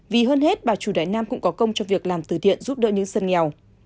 vì hơn hết bà chủ đại nam cũng có công cho việc làm từ thiện giúp đỡ những dân nghèo